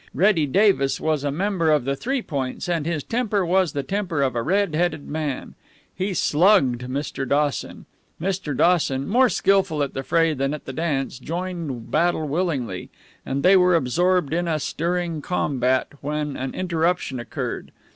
Reddy Davis was a member of the Three Points, and his temper was the temper of a red headed man. He "slugged" Mr. Dawson. Mr. Dawson, more skilful at the fray than at the dance, joined battle willingly, and they were absorbed in a stirring combat, when an interruption occurred.